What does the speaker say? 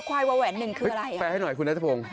ควายวาแหวนหนึ่งคืออะไรแปลให้หน่อยคุณนัทพงศ์